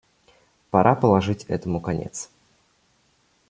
Пора положить этому конец.